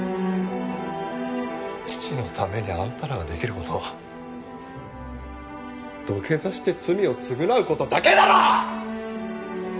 父のためにあんたらができる事は土下座して罪を償う事だけだろ！！